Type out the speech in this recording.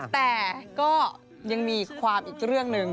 แต่ก็ยังมีความอีกเรื่องหนึ่ง